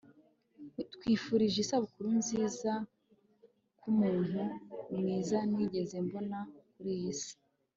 twifurije isabukuru nziza kumuntu mwiza nigeze mbona kuriyi si